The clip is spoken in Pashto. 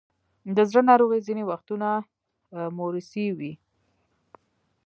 د زړه ناروغۍ ځینې وختونه موروثي وي.